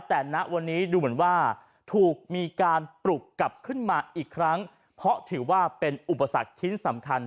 แต่ณวันนี้ดูเหมือนว่าถูกมีการปลุกกลับขึ้นมาอีกครั้งเพราะถือว่าเป็นอุปสรรคชิ้นสำคัญ